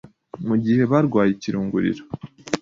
mu gihe barwaye ikirungurira,